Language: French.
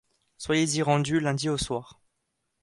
Soyez-y rendu lundi au soir.